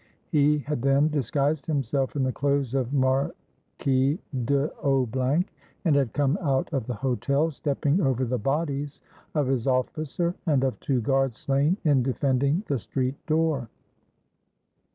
He had then disguised himself in the clothes of Marquis d'O , and had come out of the hotel, stepping over the bodies of his officer and of two guards slain in de fending the street door.